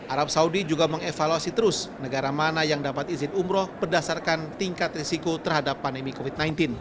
arab saudi juga mengevaluasi terus negara mana yang dapat izin umroh berdasarkan tingkat risiko terhadap pandemi covid sembilan belas